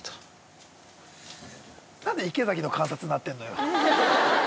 何で池崎の観察になってんのよ。